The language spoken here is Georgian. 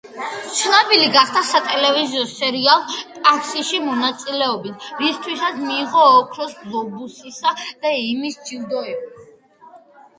ცნობილი გახდა სატელევიზიო სერიალ „ტაქსიში“ მონაწილებით, რისთვისაც მიიღო ოქროს გლობუსისა და ემის ჯილდოები.